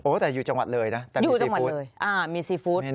แต่อยู่จังหวัดเลยนะแต่มีซีฟู้ดมีซีฟู้ด